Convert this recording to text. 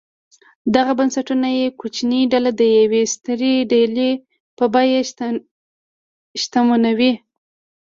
دغه بنسټونه یوه کوچنۍ ډله د یوې سترې ډلې په بیه شتمنوي.